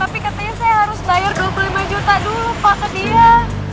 tapi katanya saya harus bayar dua puluh lima juta dulu pak ke dia